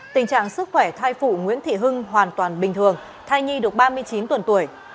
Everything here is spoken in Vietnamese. tình trạng sức khỏe thai phụ nguyễn thị hưng hoàn toàn bình thường thai nhi được ba mươi chín tuần tuổi